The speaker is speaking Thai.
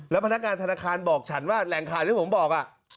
พนักงานธนาคารบอกฉันว่าแหล่งข่าวที่ผมบอก